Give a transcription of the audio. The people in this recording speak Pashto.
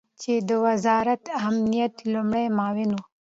چې د وزارت امنیت لومړی معاون ؤ